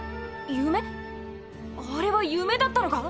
あれは夢だったのか！？